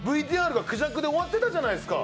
ＶＴＲが、くじゃくで終わってたじゃないですか。